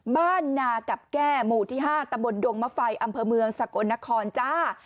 บ้านนากับแก้หมู่ที่๕ตำบลดงมะไฟอำเภอเมืองสกลนครจ้า